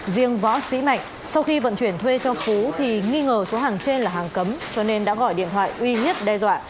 riêng võ sĩ mạnh sau khi vận chuyển thuê cho phú thì nghi ngờ số hàng trên là hàng cấm cho nên đã gọi điện thoại uy hiếp đe dọa